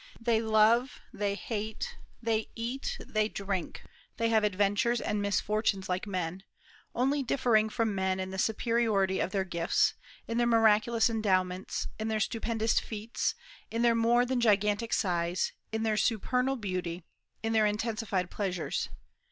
They love, they hate, they eat, they drink, they have adventures and misfortunes like men, only differing from men in the superiority of their gifts, in their miraculous endowments, in their stupendous feats, in their more than gigantic size, in their supernal beauty, in their intensified pleasures.